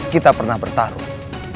kita pernah bertarung